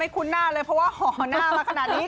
คุ้นหน้าเลยเพราะว่าห่อหน้ามาขนาดนี้